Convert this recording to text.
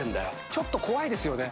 ちょっと怖いですよね。